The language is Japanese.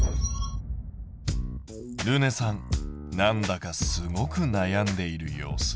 るねさんなんだかすごく悩んでいる様子。